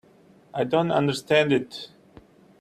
I don't understand it.